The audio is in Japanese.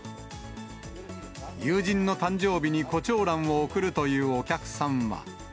友人の誕生日にコチョウランを贈るというお客さんは。